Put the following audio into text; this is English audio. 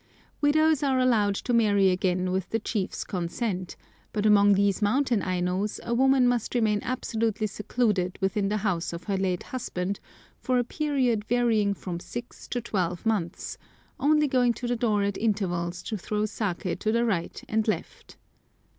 Widows are allowed to marry again with the chief's consent; but among these mountain Ainos a woman must remain absolutely secluded within the house of her late husband for a period varying from six to twelve months, only going to the door at intervals to throw saké to the right and left.